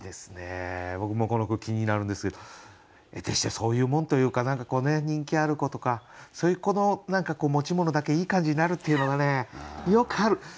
僕もこの句気になるんですけどえてしてそういうもんというか何かこうね人気ある子とかそういう子の持ち物だけいい感じになるっていうのはねよくある。